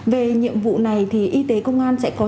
về nhiệm vụ này thì y tế công an sẽ có